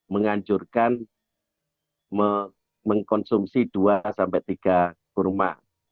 menganjurkan mengkonsumsi dua sampai tiga kurma